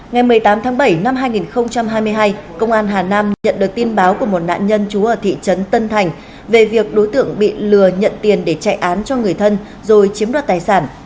ngày một mươi tám tháng bảy năm hai nghìn hai mươi hai công an hà nam nhận được tin báo của một nạn nhân trú ở thị trấn tân thành về việc đối tượng bị lừa nhận tiền để chạy án cho người thân rồi chiếm đoạt tài sản